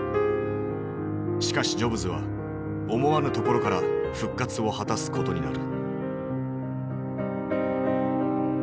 しかしジョブズは思わぬところから復活を果たすことになる。